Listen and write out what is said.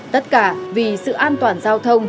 tất cả vì sự an toàn giao thông